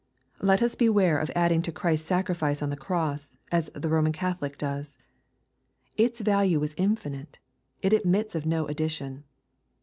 Let us beware of adding to Christ's sacrifice on the cross, as the Eoman Catholic does. Its value was infinite. It admits of no addition.